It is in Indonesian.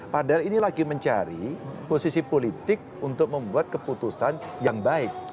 padahal ini lagi mencari posisi politik untuk membuat keputusan yang baik